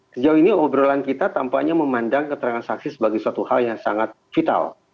sejauh ini obrolan kita tampaknya memandang keterangan saksi sebagai suatu hal yang sangat vital